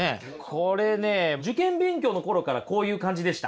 これね受験勉強の頃からこういう感じでした？